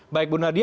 baik bu nadia